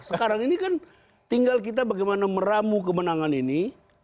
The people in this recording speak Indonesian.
sekarang ini kan tinggal kita bagaimana meramu kemenangan ini